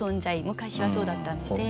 昔はそうだったので。